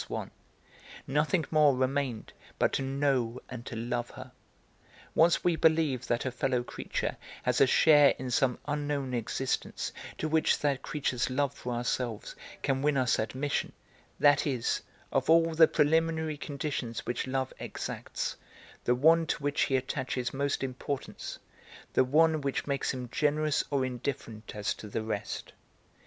Swann; nothing more remained but to know and to love her. Once we believe that a fellow creature has a share in some unknown existence to which that creature's love for ourselves can win us admission, that is, of all the preliminary conditions which Love exacts, the one to which he attaches most importance, the one which makes him generous or indifferent as to the rest.